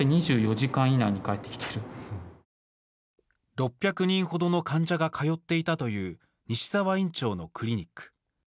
６００人ほどの患者が通っていたという西澤院長のクリニック。